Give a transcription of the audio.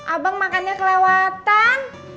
abang makannya kelewatan